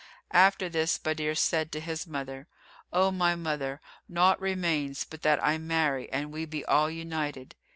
After this Badr said to his mother, "O my mother, naught remains but that I marry and we be all united."